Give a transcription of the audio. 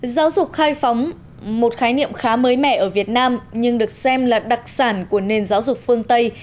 giáo dục khai phóng một khái niệm khá mới mẻ ở việt nam nhưng được xem là đặc sản của nền giáo dục phương tây